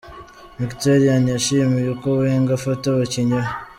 Mkhitaryan yishimiye uko Wenger afata abakinnyi be.